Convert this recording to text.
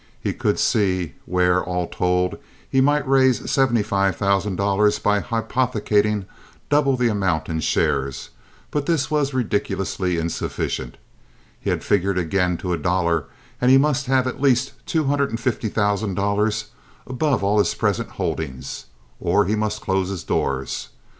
He could see where, all told, he might raise seventy five thousand dollars by hypothecating double the amount in shares; but this was ridiculously insufficient. He had figured again, to a dollar, and he must have at least two hundred and fifty thousand dollars above all his present holdings, or he must close his doors.